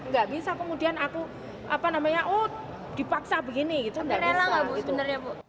nggak bisa kemudian aku apa namanya oh dipaksa begini gitu nggak bisa